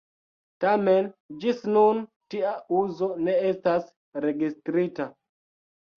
Tamen ĝis nun tia uzo ne estas registrita.